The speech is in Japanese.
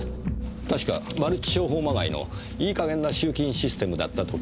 確かマルチ商法まがいのいい加減な集金システムだったと記憶しています。